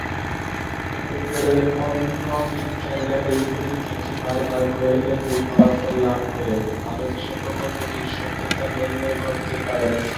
এতে করে অন্য বিজ্ঞানীরা একই পরীক্ষাটি বারবার করে একই ফলাফল লাভ করে আলোচ্য প্রকল্পটির সত্যতা নির্ণয় করতে পারেন।